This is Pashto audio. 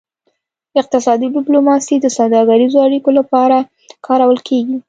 اقتصادي ډیپلوماسي د سوداګریزو اړیکو لپاره کارول کیږي